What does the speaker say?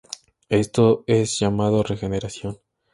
Esto es llamado regeneración.